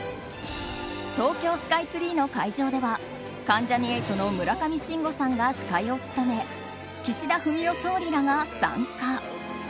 東京スカイツリーの会場では関ジャニ∞の村上信五さんが司会を務め岸田文雄総理らが参加。